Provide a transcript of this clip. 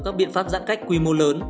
các biện pháp giãn cách quy mô lớn